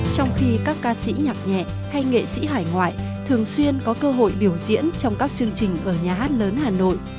trong khi các ca sĩ nhạc nhẹ hay nghệ sĩ hải ngoại thường xuyên có cơ hội biểu diễn trong các chương trình ở nhà hát lớn hà nội